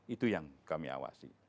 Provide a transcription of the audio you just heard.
itu yang kami awasi